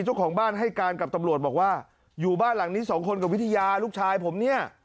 เจ้าของบ้านให้การกับตำรวจบอกว่าอยู่บ้านหลังนี้สองคนกับวิทยาลูกชายผมเนี่ย